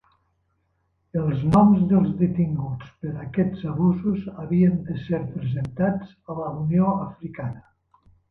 Els noms dels detinguts per aquests abusos havien de ser presentats a la Unió Africana.